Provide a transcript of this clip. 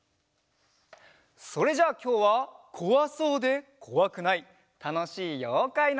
それじゃあきょうはこわそうでこわくないたのしいようかいのうた